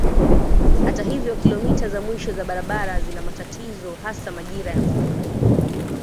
Hata hivyo kilomita za mwisho za barabara zina matatizo hasa majira ya mvua.